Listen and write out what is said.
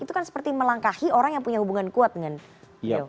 itu kan seperti melangkahi orang yang punya hubungan kuat dengan jokowi